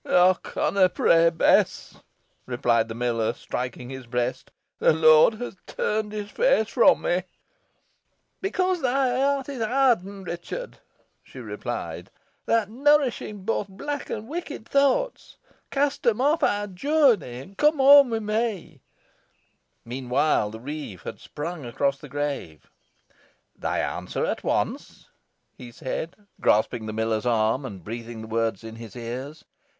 "Ey conna pray, Bess," replied the miller, striking his breast. "The Lord has turned his feace fro' me." "Becose thy heart is hardened, Ruchot," she replied. "Theaw 'rt nourishin' nowt boh black an wicked thowts. Cast em off ye, I adjure thee, an come whoam wi me." Meanwhile, the reeve had sprung across the grave. "Thy answer at once," he said, grasping the miller's arm, and breathing the words in his ears.